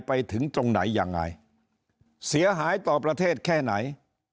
ไปถึงตรงไหนยังไงเสียหายต่อประเทศแค่ไหน